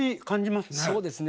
そうですね。